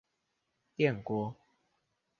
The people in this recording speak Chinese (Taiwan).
電鍋